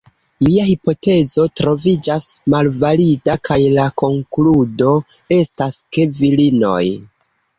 Mia hipotezo troviĝas malvalida kaj la konkludo estas ke virinoj